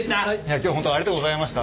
今日本当ありがとうございました。